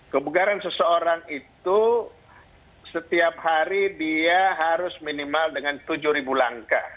kebugaran seseorang itu setiap hari dia harus minimal dengan tujuh langkah